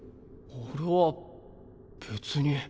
俺は別に。